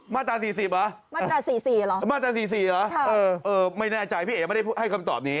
มาตรา๔๐หรอมาตรา๔๔หรอไม่แน่ใจพี่เอ๋ยไม่ได้ให้คำตอบนี้